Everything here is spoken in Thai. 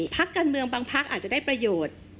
พักการเมืองบางพักอาจจะได้ประโยชน์